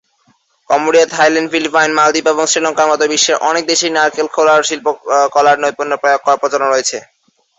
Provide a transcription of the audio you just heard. Cambodia, Thailand, Philippines, Maldives এবং শ্রীলঙ্কার মতো বিশ্বের অনেক দেশেই নারকেল খোলার শিল্পকলায় নৈপুণ্য প্রয়োগ করার প্রচলন রয়েছে।